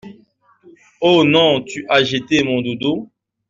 Ho non, tu as jeté mon doudou?!